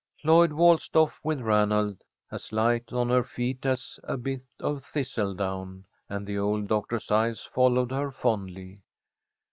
Lloyd waltzed off with Ranald, as light on her feet as a bit of thistle down, and the old doctor's eyes followed her fondly.